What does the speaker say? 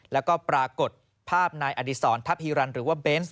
แล้วก็ปรากฏภาพนายอดีศรทัพฮีรันหรือว่าเบนส์